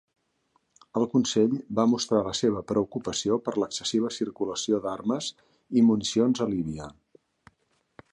El Consell va mostrar la seva preocupació per l'excessiva circulació d'armes i municions a Líbia.